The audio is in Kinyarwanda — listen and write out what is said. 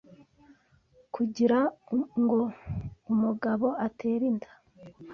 Kugira ngo umugabo atere inda